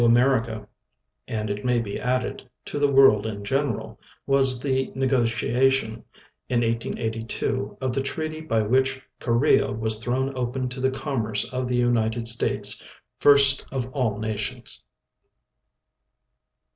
America, and, it may be added, to the world in general, was the negotiation, in 1882, of the treaty by which Korea was thrown open to tlie commerce of the United States, first of all nations.